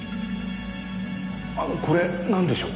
あのこれなんでしょう？